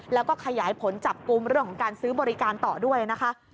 แล้วก็ขยายผลจับกลุ่มเรื่องของการซื้อบริการต่อด้วยนะคะ